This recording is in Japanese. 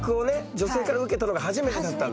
女性から受けたのが初めてだったんだ。